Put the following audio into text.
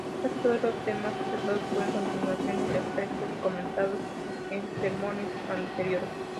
Casi todos los temas tratados fueron continuaciones de aspectos comentados en sermones anteriores.